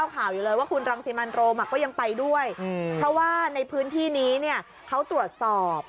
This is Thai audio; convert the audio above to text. เพราะว่าในพื้นที่นี้เนี่ยเขาตรวจสอบ